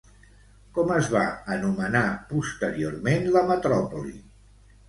Com es va anomenar, posteriorment, la metròpoli?